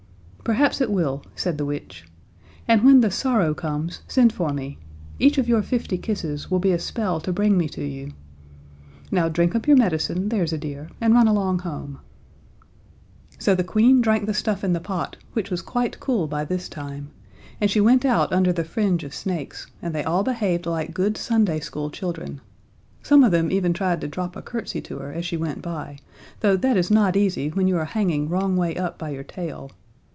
"Perhaps it will," said the witch, "and when the sorrow comes, send for me. Each of your fifty kisses will be a spell to bring me to you. Now, drink up your medicine, there's a dear, and run along home." So the Queen drank the stuff in the pot, which was quite cool by this time, and she went out under the fringe of snakes, and they all behaved like good Sunday school children. Some of them even tried to drop a curtsy to her as she went by, though that is not easy when you are hanging wrong way up by your tail.